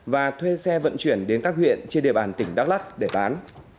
và thuê xe vận chuyển đến các huyện trên địa bàn tỉnh đắk lắc để bán